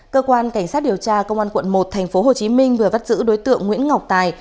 cơ quan cảnh sát điều tra công an quận một tp hồ chí minh vừa vắt giữ đối tượng nguyễn ngọc tài